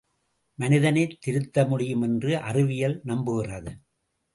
மனிதனைத் திருத்தமுடியும் என்று அறிவியல் நம்புகிறது.